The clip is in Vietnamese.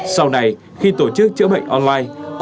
sau này khi tổ chức trữa bệnh online